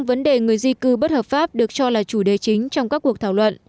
vấn đề người di cư bất hợp pháp được cho là chủ đề chính trong các cuộc thảo luận